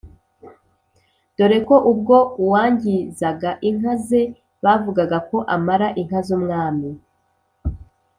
dore ko ubwo uwangizaga inka ze bavugaga ko amara inka z'umwami.